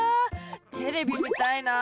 テレビ見たいな。